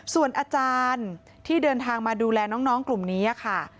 ส่วนอาจารย์ที่เดินทางมาดูแลน้องกลุ่มนี้ค่ะ